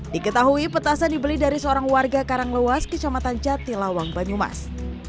diketahui petasan dibeli dari seorang warga karanglewas kecamatan jatilawang banyumas